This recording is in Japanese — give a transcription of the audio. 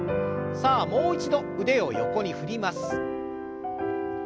さあもう一度腕を横に振ります。